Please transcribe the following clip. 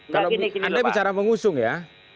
kalau anda bicara mengusung ya